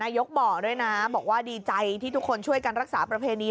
ยกบอกด้วยนะบอกว่าดีใจที่ทุกคนช่วยกันรักษาประเพณี